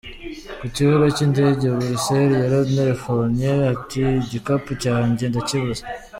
Ku kibuga cy’indege i Buruseli yarantelefonnye ati igikapu cyanjye ndakibuze.